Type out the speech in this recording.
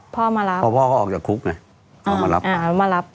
พ่อมารับพอพ่อเขาออกจากคุกไงเขามารับหมามารับ